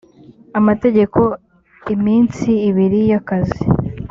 amategeko iminsi ibiri y akazi